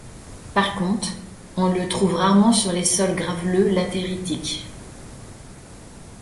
Par contre, on le trouve rarement sur les sols graveleux latéritiques.